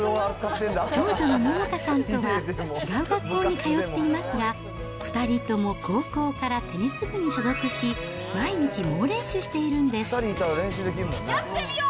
長女の百花さんとは違う学校に通っていますが、２人とも高校からテニス部に所属し、やってみよう。